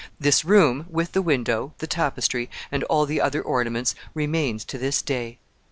This room, with the window, the tapestry, and all the other ornaments, remains to this day.